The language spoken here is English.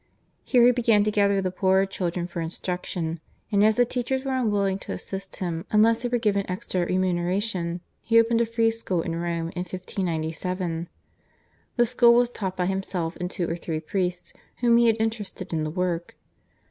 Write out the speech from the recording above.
Here he began to gather the poorer children for instruction, and as the teachers were unwilling to assist him unless they were given extra remuneration, he opened a free school in Rome in 1597. The school was taught by himself and two or three priests whom he had interested in the work.